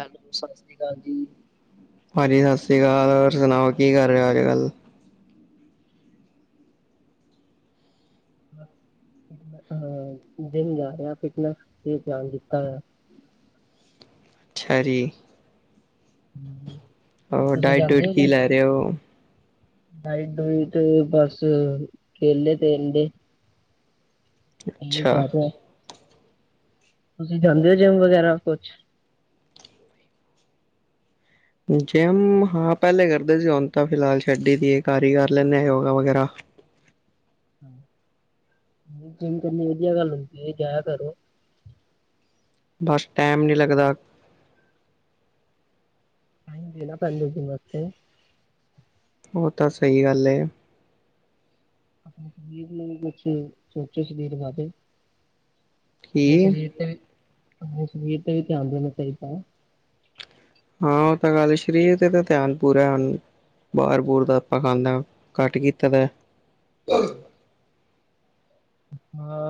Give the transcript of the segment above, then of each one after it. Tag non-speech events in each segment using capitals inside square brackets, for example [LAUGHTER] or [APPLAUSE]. Hello ਸਤਿ ਸ੍ਰੀ ਕਾਲ ਜੀ ਹਾਂਜੀ ਸਤਿ ਸ਼੍ਰੀ ਅਕਾਲ [UNINTELLIGIBLE] ਹੋਰ ਸੁਣਾਓ ਕੀ ਕਰ ਰਹੇ ਹੋ ਅੱਜ ਕੱਲ੍ਹ ਹਾਂ ਦਿਨ ਜਾ ਰਿਹਾ ਫਟਨਸ ਤੇ ਧਿਆਨ ਦਿੱਤਾ ਹੋਇਆ ਹੈ ਛਰੀ ਹਮ [INAUDIBLE] ਆਹ ਡਾਇਟ ਡੂਇਟ ਕੀ ਲੈ ਰਹੇ ਓ ਡਾਈ ਦੂਈਟ ਤੇ ਬਸ ਕੇਲੇ ਤੇਦੇ ਅਹੀੋ ਅੱਛਾ ਫਰ ਹੈ [UNINTELLIGIBLE] ਤੁਸੀਂ ਜਾਂਦੇ ਜਿਮ ਵਗੈਰਾ ਕੁਛ ਜਿਮ ਹਾਂ ਪਹਿਲੇ ਕਰਦੇ ਸੀ ਹੁਣ ਤਾਂ ਫਿਲਹਾਲ ਛੱਡੀ ਦੀ ਕਾਰੀ ਕਰ ਲੈਂਦੇ ਆਾਂ ਯੋਗਾ ਵਗੈਰਾ ਜਿਮ ਕਰਨੀ ਵਧੀਆ ਗੱਲ [UNINTELLIGIBLE] ਜਾਯਾ ਕਰੋ ਬਸ ਟੈਮ ਨੀ ਲੱਗਦਾ ਕ ਨਾ ਪੰਡ ਜੀ ਮਸਤੇ [UNINTELLIGIBLE] ਉਹ ਤਾਂ ਸਹੀ ਗੱਲ ਹੈ ਆਪਣੇ [UNINTELLIGIBLE] ਸਰੀਰ ਨੂੰ ਕੁਛ ਸੋਚੋ ਸਰੀਰ ਵਾਰੇ ਆਪਣੇ ਕੀ ਸਰੀਰ ਤੇ ਵੀ ਆਪਣੇ ਸਰੀਰ ਤੇ ਵੀ ਧਿਆਨ ਦੇਣਾ ਚਾਹੀਦਾ ਹਾਂ ਉਹ ਤਾਂ ਗੱਲ ਸ੍ਰੀ ਤੇ ਤਾਂ ਧਿਆਨ ਪੂਰਾ ਹੁ ਬਾਹਰ ਬਰ ਦਾ ਆਪਾਂ ਖਾਂਦਾ ਘੱਟ ਕੀਤਾ ਦਾ ਹਮ [INAUDIBLE] ਾਂ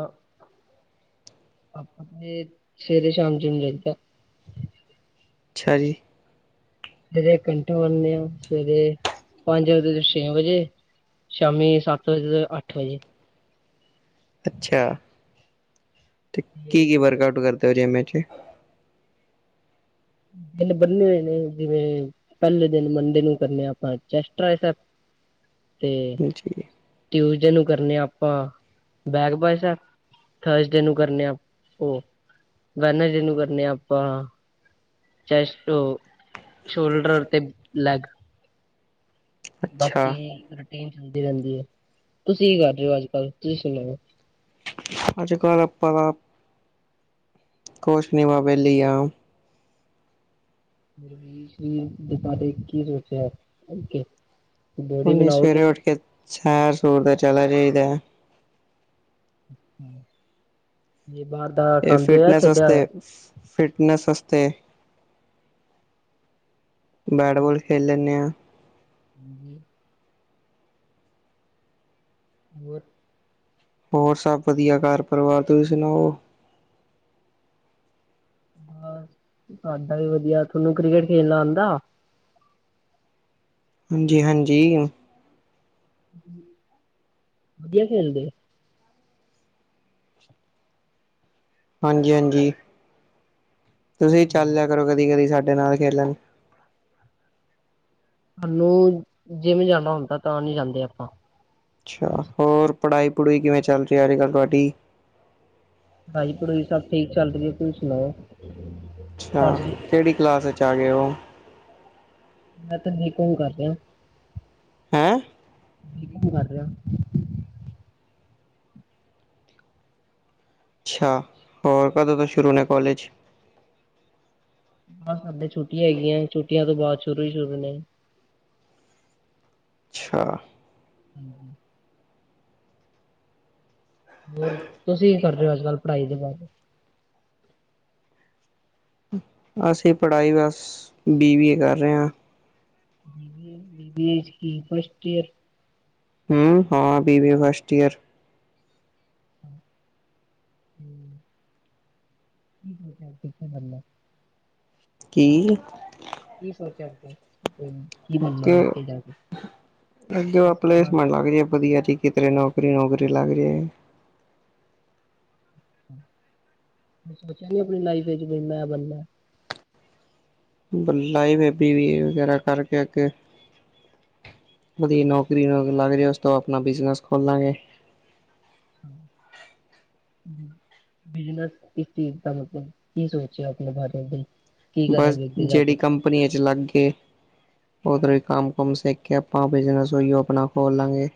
ਆਪਾਂ ਤੇ ਸਵੇਰੇ ਸ਼ਾਮ ਚਮ ਚਲਦਾ [UNINTELLIGIBLE] ਛਾ ਜੀ ਜ ਘੰਟੇ ਬਰਦੇ [UNINTELLIGIBLE] ਆ ਸਵੇਰੇ ਪੰਜ ਵਜੇ ਤੋਂ ਛੇ ਵਜੇ ਸ਼ਾਮੀ ਸੱਤ ਵਜੇ ਤੋਂ ਅੱਠ ਵਜੇ ਅੱਛਾ ਤੇ ਕੀ ਕੀ ਵਰਕ ਆਊਟ ਕਰ ਤਰੀ ਮੈ ' [UNINTELLIGIBLE] ਦਿਨ ਬੰਨੇ ਹੋਏ ਨੇ ਜਿਵੇਂ ਪਹਿਲੇ ਦਿਨ ਮੰਡੇ ਨੂੰ ਕਰਨੇ ਆਪਾਂ ਚੈਸਟ ਰਾਈ ਜੀ ਤੇ ਕਰਨੇ ਆਪਾਂ back biceps chest shoulder ਤੇ ਲਲੈਗ [INAUDIBLE] ਅੱਛਾ ਬਾਕੀ ਰੂਟੀਨ ਰਹਿੰਦੀ ਰਹਿੰਦੀ ਹੈ ਤੁਸੀਂ ਕੀ ਕਰ ਰਹੇ ਹੋ ਅੱਜ ਕੱਲ ਤੁਸੀਂ ਸੁਣਾਓ ਅੱਜ ਕੱਲ੍ਹ ਅਪਾਂ ਕੁਛ ਨੀ ਬਸ ਵੇਲੇ ਹੀ ਆ। [UNINTELLIGIBLE] ਕਿ ਦਸਿਆ ਏ ਖੁਲ ਕੇ? ਉਨੀ ਸਵੇਰੇ ਉੱਠ ਕੇ ਸੈਰ ਸੂਰ ਤੇ ਚਲਾ ਜਾ [UNINTELLIGIBLE] ਅੱਛਾ। ਇਹ ਫਿਟਨੇਸ ਅਸਤੇ, ਫਿਟਨਸ ਅਸਤੇ ਬੈਟਬੋਲ ਖੇਲ ਲੈਂਨੇ ਹਾਂ। ਹਾਂਜੀ। ਹੋਰ? ਹੋਰ ਸਭ ਵਧੀਆ ਘਰ ਪਰਿਵਾਰ, ਤੁਸੀਂ ਸੁਣਾਓ? ਬਸ ਸਾਡਾ ਵੀ ਵਧੀਆ, ਤੁਹਾਨੂੰ ਕ੍ਰਿਕਟ ਖੇਲਣਾ ਆਂਦਾ? ਹਾਂਜੀ-ਹਾਂਜੀ। ਵਧੀਆ ਖੇਲਦੇ? ਹਾਂਜੀ-ਹਾਂਜੀ। ਤੁਸੀਂ ਵੀ ਚੱਲ ਹਮ ਲਿਆ ਕਰੋ ਕਦੀ-ਕਦੀ ਸਾਡੇ ਸਾਡੇ ਨਾਲ ਖੇਲਣ। ਸਾਨੂੰ ਜਿਵੇ ਜਾਣਾ ਹੁੰਦਾ, ਤਾਂ ਨੀ ਜਾਂਦੇ ਆਪਾਂ। ਅੱਛਾ, ਹੋਰ ਪੜ੍ਹਾਈ ਪੜ੍ਹੂਈ ਕਿਵੇਂ ਚੱਲ ਰਹੀ ਹੈ ਅਜ ਕੱਲ੍ਹ ਤੁਹਾਡੀ? ਪੜੋਈ ਪੜੂਈ ਸਬ ਠੀਕ ਚੱਲ ਰਹੀ ਹੈ, ਤੁਸੀਂ ਸੁਣਾਓ? ਅੱਛਾ, ਤੁਹਾਡੀ ਕਿਹੜੀ ਕਲਾਸ ਵਿਚ ਆ ਗਏ ਉ? ਮੈਂ ਤੇ ਬੀ ਕੋਮ ਕਰ ਰਿਹਾ ਹੈਂ ਕੀ ਕੰ ਕਰ ਰਿਹਾ ਅੱਛਾ ਹੋਰ ਕਦੋਂ ਤੋਂ ਸ਼ੁਰੂ ਨੇ ਕਲਾਜ ਬ ਛੁੱਟੀ ਹੈਗੀੀਆਂ ਛੁੱਟੀਆਂ ਤੋਂ ਬਾਅਦ ਸ਼ੁਰੂ ਹੀ ਸ਼ੁਰੂ ਨੇ ਅਛਾ ਹਮ ਹਮ ਹੋਰ ਤੁਸੀਂ ਕੀ ਕਰਦੇ ਹੋ ਅੱਜ ਕੱਲ੍ਹ ਪੜ੍ਹਾਈ ਦੇ ਬਾਅਦ ਅਸੀਂ ਪੜ੍ਹਾਈ ਬਸ ਬੀ ਏ ਕਰ ਰਹੇ ਹਾਂ ਬ ਚ ਕੀ ਸੀ ਫਸਟ ਈਅਰ ਹਮ ਹਾਂ ਬੀਬੀ ਫਸਟ ਈਅਰ ਹਮ ਹਮ ਠੀਕ ਹੈ ਚੱਲ ਕਰਦਾ ਕੀ ਕੀ ਸੋਚਿਆ ਅ ਕੀ ਬਨੋਗੇ ਅੱਗੇ ਜਾ ਕੇ ਕੀ ਸੁਪਣਾ? ਵੀਰੇ ਨੌਕਰੀ ਨੌਕਰੀ ਲਗ ਜੇ ਸੋਚਿਆ ਨ ਆਪਣੀ ਲਾਈਫ ਵਿੱਚ ਵੀ ਮੈਂ ਬਣਨਾ ਬਲਾ ਹੀ ਬੀ ਏ ਵਗੈਰਾ ਕਰਕੇ ਅੱਗੇ ਵਧੀਆ ਨੌਕਰੀ ਨਕਰੀ ਲੱਗ ਜਾ ਉਸ ਤੋਂ ਆਪਣਾ ਬਿਜਨਸ ਖੋਲਾਂਗੇ ਬਿਜਨਸ ਕਿਸ ਚੀਜ਼ ਦਾ ਮਤਲਬ ਕੀ ਸੋਚਿਆ ਆਪਣੇ ਬਾਰੇ ਕੀ ਬਸ ਕਰਾਂਗੇ ਅੱਗੇ ਜਾ ਜਿਹੜੀ ਕੇ ਕੰਪਨੀੀਆਂ ਚ ਲਾਗੇ ਉਧਰ ਈ ਕੰਮ ਕੁਮ ਸਿੱਖ ਕੇ ਆਪਾਂ ਬਿਜਨਸ ਉਈਓ ਆਪਣਾ ਖੋਲ ਲਾਂਗੇ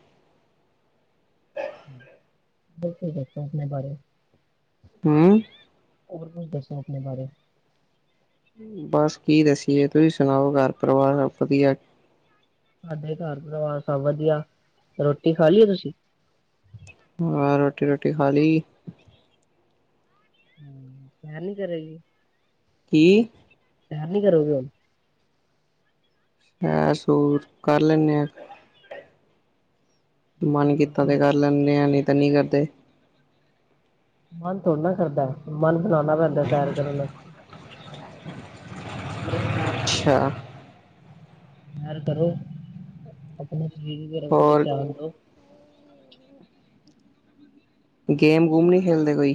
ਬਿਲਕੁ ਬਕੋ ਆਪਣੇ ਬਾਰੇ ਹਮ ਹੋਰ ਕੁਛ ਦੱਸੋ ਆਪਣੇ ਬਾਰੇ ਬਸ ਕੀ ਦੱਸੀਏ ਤੁਸੀਂ ਸੁਣਾਓ ਘਰ ਪਰਿਵਾਰ ਸਬ ਵਧੀਆ ਸਾਡੇ ਘਰ ਪਰੀਵਾਰ ਸਭ ਵਧੀਆ ਰੋਟੀ ਖਾ ਲਈ ਤੁਸੀਂ ਹਾਂ ਰੋਟੀ ਰੋਟੀ ਖਾ ਲਈ ਹਮ ਸੈਰ ਨੀ ਕਰੇਗੀ ਕੀ ਸੈਰ ਨੀ ਕਰੋਗੇ ਹੁਣ ਸੈਰ ਸੂੂਰ ਕਰ ਲੈਂਦੇ ਆਾਂ ਰੋਟੀ ਮਨ ਖਾਣ ਕੀਤਾ ਤੋਂ ਤੇ ਕਰ ਲੈਂਦੇ ਆ ਨੀ ਐਨੀ ਕਰਦੇ ਮਨ ਥੋੜਾ ਨਾ ਕਰਦਾ ਮਨ ਨਾਨ ਪੈਦਾ ਸੈਰ ਕਰਨ ਨਾਲ ਅੱਛਾ ਸੈਰ ਕਰੋ ਆਪਣੇ ਜ ਮਰਾਡ ਹੋਰ ਚਿਆਦਾ ਗੇਮ ਗੂਮ ਨਹੀਂ ਖੇਲਦੇ ਕੋਈ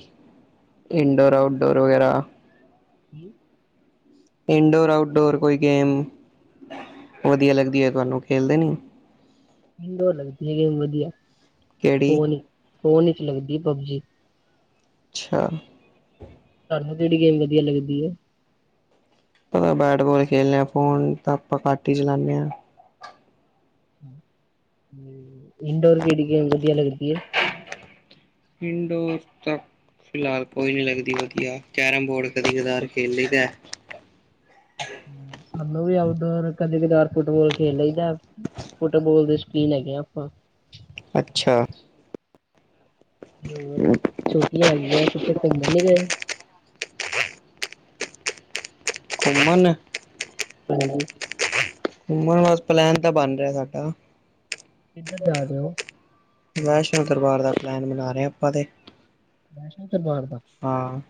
ਇਨਡੋਰ ਆਊਟਡੋਰ ਵਗੈਰਾ ਕੀ ਇਨਡੋਰ-ਆਊਟਡੋਰ ਕੋਈ ਗੇਮ ਵਧੀਆ ਲੱਗਦੀ ਤੁਹਾਨੂੰ, ਖੇਲਦੇ ਨਹੀਂ? ਇਨਡੋਰ ਲੱਗਦੀ ਐ ਗੇਮ ਵਧੀਆ। ਕੇੜੀ ਫੋਨ ਫੋਨ ਵਿਚ ਲੱਗਦੀ ਪਬਜੀ ਅੱਛਾ। ਜਿਹੜੀ ਗੇਮ ਵਧੀਆ ਲੱਗਦੀ ਹੈ? ਪਤਾ ਬੈਟਬਾਲ ਖੇਲਣੇ ਫੋਨ ਤਾਂ ਆਪਾਂ ਘੱਟ ਹੀ ਚਲਾਉਾਨਦੇ ਹਾਂ । ਇੰਡੋਰ ਕਿਹੜੀ ਗੇਮ ਵਧੀਆ ਲੱਗਦੀ ਹੈ? ਇੰਡੋਰ ਤੱਕ ਫਿਲਹਾਲ ਕੋਈ ਨਹੀਂ ਲੱਗਦੀ ਵਧੀਆ। ਕੈਰਮ ਬੋਰਡ ਕਦੀ-ਕਦਾਰ ਖੇਲ ਲਈਦਾ। ਡੋਰ ਕਦੀ-ਕਦਾਰ ਫੁੱਟਬਾਲ ਖੇਲ ਲਈਦਾ। ਫੁੱਟਬਾਲ ਦੀ ਸਕੀਨ ਹੈਗੇ ਆ ਆਪਾਂ। ਅੱਛਾ ਹੋਰ ਛੋਟੀਆਂ ਹੈਗੀਆਂ ਕਿਥੇ ਘੁੰਮਣ ਨੀ ਗਏ ਘੁੰਮਣ ਹਾਂ ਜੀ ਨਾ ਬਸ ਪਲੈਨ ਤਾਂ ਬਣ ਰਿਹਾ ਸਾਡਾ ਕਿੱਧਰ ਜਾ ਰਹੇ ਹੋ ਵੈਸ਼ਨੋ ਦਰਬਾਰ ਦਾ ਪਲੈਨ ਬਣਾ ਰਹੇ ਹਾਂ। ਆਪਾਂ ਤੇ ਵੈਸ਼ਨੋ ਦਰਬਾਰ ਦਾ, ਹਾਂ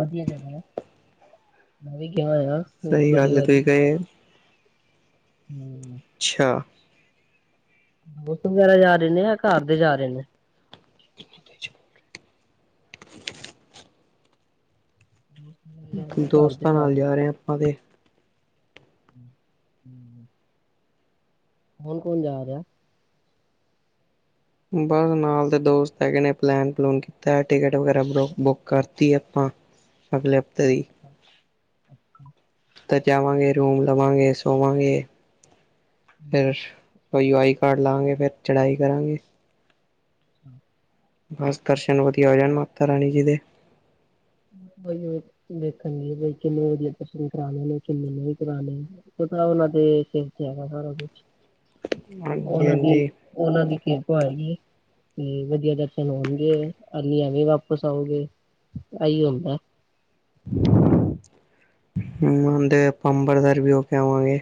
ਵਧੀਆ ਜਗ੍ਹਾ ਐ। ਮੈਂ ਵੀ ਗਯਾ ਹੋਇਆ ਸਹੀ ਬੜੀ ਗੱਲ ਵਾਰੀ ਹੈ।--ਤੁਸੀਂ ਗਏ ਅੱਛਾ। ਦੋਸਤ ਵਗੈਰਾ ਯਾਰ ਕਲੇ ਜਾਂ ਘਰ ਦੇ ਜਾ ਰਹੇ ਨੇ। ਘਰ ਦੇ ਦੋਸਤਾਂ ਨਾਲ ਜਾ ਰਹੇ ਆ ਆਪਾਂ ਤੇ ਹੂੰ, ਹੋਰ ਕੋਨ ਜਾ ਰਿਹਾ? ਬੱਸ ਨਾਲ ਦੇ ਦੋਸਤ ਹੈਗੇ ਨੇ ਪਲਾਨੇ -ਪਲੋਨੇ ਕਿਤਾਂ ਹੈ। ਟਿਕਟ ਵਗੜਾ ਬਰੋ ਬੁਕ ਕਰਤੀ ਆਪਾਂ। ਅਗਲਾ ਹਫਤਾ ਦੀ। ਅੱਛਾ ਤੇ ਜਾਵੇਗਏ, ਰੂਮ ਲਾਵਾ ਗਏ, ਸੋਵਾ ਗਏ। ਫ [UNINTELLIGIBLE] ਕੋਈ ਆਈ ਕਾਰਡ ਲਾਂਗੇ ਫਿਰ ਚੜਾਈ ਕਰਾਂਗੇ। ਹਮ। ਬਸ ਦਰਸ਼ਨ ਵਧੀਆ ਹੋ ਜਾਣ ਮਾਤਾਰਾਨੀ ਜੀ ਦੇ। ਦੇਖਣ ਨੀ ਚਲੋ ਉਹਨਾਂ ਦੇ [UNINTELLIGIBLE] ਹਾਂਜੀ ਉਹਨਾਂ ਹਾਂਜੀ ਦੀ-ਉਹਨਾਂ ਦੀ ਕਿਰਪਾ ਹੈਗੀ ਹੈ ਵਧੀਆ ਦਰਸ਼ਨ ਹੋਣਗੇ ਹਲੀ ਐਵੇਂ ਵਾਪਿਸ ਆਉਗੇ। ਏ ਇ ਹੁੰਦਾ ਹੁਣ ਤੇ ਆਪਾਂ ਅੰਬਰਸਰ ਵੀ ਹੋ ਕੇ ਆਵਾਂਗੇ।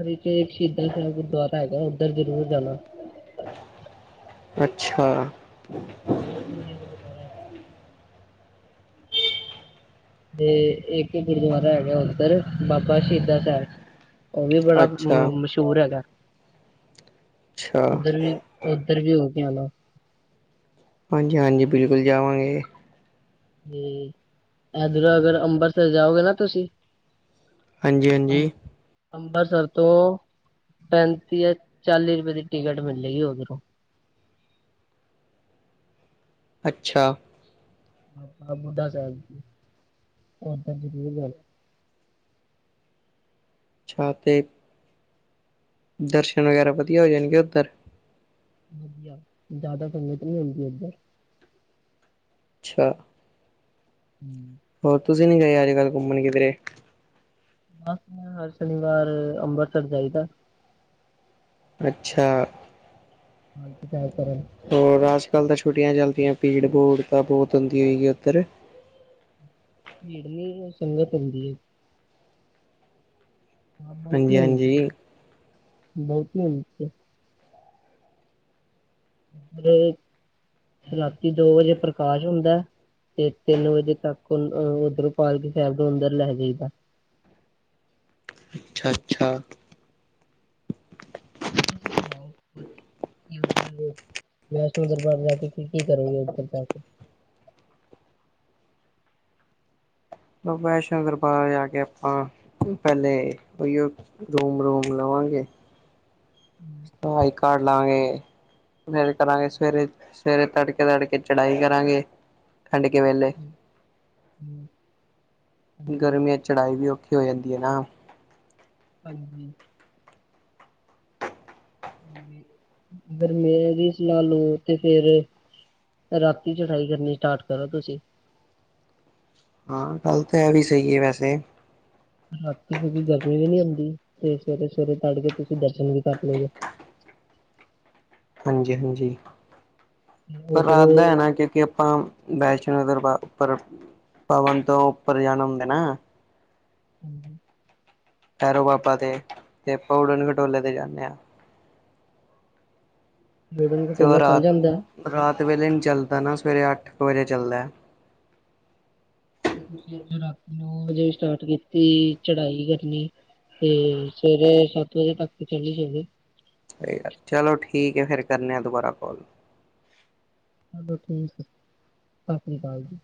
ਓਦੇ ਚ ਇੱਕ ਸ਼ਹੀਦਾ ਸਾਹਿਬ ਗੁਰਦੁਆਰਾ ਹੈਗਾ, ਉੱਧਰ ਜਰੂਰ ਜਾਣਾ। ਅੱਛਾ। [INAUDIBLE] ਤੇ ਇੱਕ ਗੁਰਦੁਆਰਾ ਹੈਗਾ ਉੱਧਰ ਬਾਬਾ ਸ਼ਹੀਦਾ ਸਾਹਿਬ। ਉਹ ਵੀ ਬੜਾ ਮ ਅੱਛਾ ਮਸ਼ਹੂਰ ਹੈਗਾ। ਅੱਛਾ ਉੱਧਰ ਵੀ, ਉੱਧਰ ਵੀ ਹੋਊ। ਕੀ ਹਾਲ ਆ? ਹਾਂਜੀ-ਹਾਂਜੀ ਬਿਲਕੁਲ, ਜਾਵਾਂਗੇ। ਤੇ ਇਧਰੋਂ ਅਗਰ ਅੰਬਰਸਰ ਜਾਓਗੇ ਨਾ ਤੁਸੀਂ ਅੰ ਹਾਂਜੀ-ਹਾਂਜੀ। ਅੰਬਰਸਰ ਤੋਂ ਪੈਂਤੀ ਜਾਂ ਚਾਲੀ ਰੁਪਏ ਦੀ ਟਿਕਟ ਮਿਲੇਗੀ ਉਧਰੋਂ। ਅੱਛਾ। ਬਾਬਾ ਬੁੱਢਾ ਸਾਹਿਬ, ਹੁਣ ਤਾਂ ਜਰੂਰ ਜਾਣਾ। ਅੱਛਾ ਤੇ ਦਰਸ਼ਨ ਵਗੈਰਾ ਵਧੀਆ ਹੋ ਜਾਣਗੇ ਉੱਧਰ? ਵਧੀਆ, ਜਿਆਦਾ ਸੰਗਤ ਨੀ ਹੁੰਦੀ ਏਧਰ। ਅੱਛਾ। ਹਮ। ਹੋਰ ਤੁਸੀਂ ਨਹੀ ਗਏ ਅੱਜ ਕੱਲ੍ਹ ਘੁੰਮਣ ਕਿਧਰੇ? ਬਸ ਮੈਂ ਹਰ ਸ਼ਨੀਵਾਰ ਅੰਬਰਸਰ ਜਾਈਦਾ। ਅੱਛਾ। ਹਾਂ [UNINTELLIGIBLE] ਹੋਰ ਅੱਜ ਕੱਲ ਤਾਂ ਛੁੱਟੀਆਂ ਚੱਲਦੀਆਂ ਭੀੜ ਭੂੜ ਤਾਂ ਬਹੁਤ ਤ ਓਂਦੀ ਹੋਏਗੀ ਉੱਧਰ। ਜੇੜਨੀ [UNINTELLIGIBLE] ਸੰਗਤ ਹੁੰਦੀ ਏ। ਹਾਂ ਬਹੁਤੀ ਹਾਂਜੀ ਓਂਦੀ ਏ। ਹਾਂਜੀ ਬਹੁਤੀ ਹੁੰਦੀ ਏ। [UNINTELLIGIBLE] ਕਿ ਦੋ ਵਜੇ ਪ੍ਰਕਾਸ਼ ਹੁੰਦਾ। ਤੇ ਤਿੰਨ ਵਜੇ ਤੱਕ ਉਨ ਅ ਉੱਧਰੋਂ ਪਾਲਕੀ ਸਾਹਿਬ ਨੂੰ ਅੰਦਰ ਲੈ ਜਾਈਦਾ। ਅੱਛਾ ਅੱਛਾ। ਤੁਸੀਂ ਸੁਣਾਓ ਕੁਛ ਵੈਸ਼ਨੋ ਦਰਬਾਰ ਜਾ ਕੇ ਤੁਸੀ ਕੀ ਕਰੋਗੇ ਉਧਰ ਜਾ ਕੇ। ਵੈਸ਼ਨੋ ਦਰਬਾਰ ਜਾ ਕੇ ਅਪਾਂ ਪੈਲੇ ਉਹੀਓ ਰੂਮ ਰੂਮ ਲਵਾਂਗੇ, ਸਵਾਈ ਕਾਰਡ ਲਾਂਗੇ ਫੇਰ ਕਰਾਂਗੇ ਸਵੇਰੇ ਸਵੇਰੇ ਤੜਕੇ ਤੜਕੇ ਚੜਾਈ ਕਰਾਂਗੇ ਠੰਡ ਕੇ ਵੇਲੇ। ਹੂੰ, ਹਾਂਜੀ ਗਰਮੀਆਂ ਚ ਚੜਾਈ ਵੀ ਔਖੀ ਓ ਜਾਂਦੀ ਏ ਨਾ। ਹਾਂਜੀ। ਫੇਰ ਲ ਲੋ ਤੇ ਫੇਰ ਰਾਤੀ ਚੜਾਈ ਕਰਨੀ ਸਟਾਰਟ ਕਰੋ ਤੁਸੀਂ। ਹਾਂ ਗੱਲ ਤਾਂ ਐਵੀ ਸਹੀ ਏ ਵੈਸੇ। ਰਾਤੀ ਕਿਉਂਕਿ ਗਰਮੀ ਵੀ ਨੀ ਹੁੰਦੀ ਤੇ ਸਵੇਰੇ ਸਵੇਰੇ ਤੜਕੇ ਤੁਸੀਂ ਦਰਸ਼ਨ ਵੀ ਕਰ ਲੋਗੇ। ਹਾਂਜੀ ਹਾਂਜੀ। ਪਰ ਰਾਤ ਉਧਰੋਂ ਦਾ ਐ ਨਾ ਕਿਉਂਕਿ ਆਪਾਂ ਵੈਸ਼ਨੋ ਦਰਬਾਰ ਉੱਪਰ ਪਵਨ ਤੋਂ ਉੱਪਰ ਜਾਣਾ ਹੁੰਦਾ ਨਾ ਹੂੰ। ਭੈਰੋ ਬਾਬਾ ਤੇ ਤੇ ਅਪਾਂ ਉਡਣ ਖਟੋਲੇ ਤੇ ਜਾਂਣੇ ਆਂ। ਗੁਡਨ ਤੇ ਉਹ ਖਟੋਲਾ ਚੱਲ ਰਾਤ ਹੁੰਦੇ? ਰਾਤ ਵੇਲੇ ਨੀ ਚੱਲਦਾ ਨਾ ਸਵੇਰੇ ਅੱਠ ਕ ਵਜੇ ਚੱਲ ਨੇ। ਸੋਚੋ ਰਾਤੀ ਨੋ ਵਜੇ ਸਟਾਰਟ ਕੀਤੀ ਚੜਾਈ ਕਰਨੀ ਤੇ ਸਵੇਰੇ ਸੱਤ ਵਜੇ ਤੱਕ ਤੇ ਚੱੜੀ ਜਾਦੇ ਕੋਈ ਗੱਲ, ਚਲੋ ਠੀਕ ਏ, ਫੇਰ ਕਰਣੇ ਆ ਦੁਬਾਰਾ ਕੋਲ। ਔ ਠੀਕ ਏ, ਸਤਿ ਸ੍ਰੀ ਕਾਲ ਜੀ।